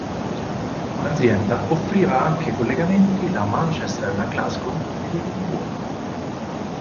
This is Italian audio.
L'azienda offriva anche collegamenti da Manchester a Glasgow ed Edimburgo.